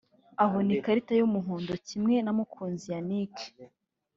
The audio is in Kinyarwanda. anabona ikarita y’umuhondo kimwe na Mukunzi Yannick